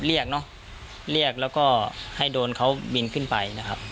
เรียกเนอะเรียกแล้วก็ให้โดนเขาบินขึ้นไปนะครับ